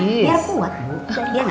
mirku buat buka dia ngapain